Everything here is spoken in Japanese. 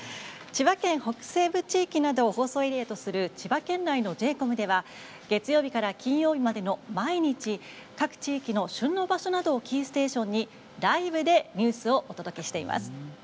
千葉県北西部地域などを放送エリアとする千葉県内のＪ：ＣＯＭでは月曜日から金曜日までの毎日、各地域の旬の場所などをキーステーションにライブでニュースをお届けしています。